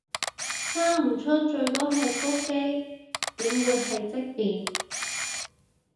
生唔出最多係腹肌，點會係積便